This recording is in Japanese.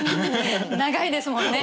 長いですもんね